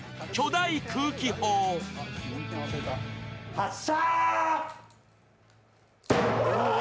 発射！